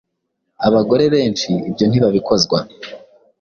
Abagore benshi ibyo ntibabikozwa